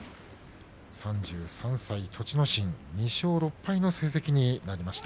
３３歳、栃ノ心２勝６敗の成績になりました。